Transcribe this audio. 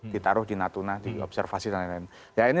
ditaruh di natuna diobservasi dan lain lain